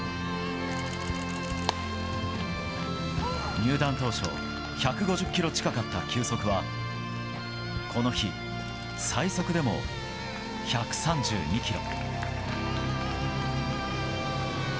入団当初１５０キロ近かった球速はこの日、最速でも１３２キロ。